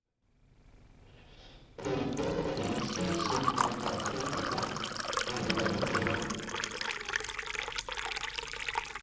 狄公的原型是唐朝政治家狄仁杰。